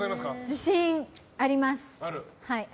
自信あります。